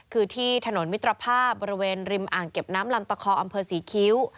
คือที่ถนนมิตรภาพบริเวณริมอ่างเก็บน้ำลำตะคออำเภอศรีคิ้ว